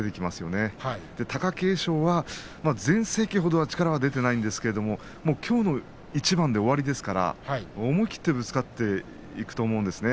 で、貴景勝は全盛期ほど力は出ていないんですけれどもきょうの一番で終わりですから思い切ってぶつかっていくと思うんですね。